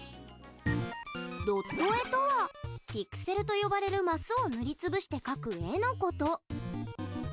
ドット絵とはピクセルと呼ばれるマスを塗りつぶして描く絵のこと。